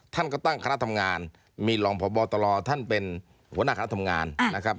ท่านก็ตั้งคณะทำงานมีรองพบตรท่านเป็นหัวหน้าคณะทำงานนะครับ